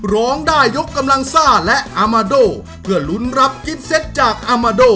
ร้องได้ยกกำลังซ่าและอามาโดเพื่อลุ้นรับกิฟเซ็ตจากอามาโด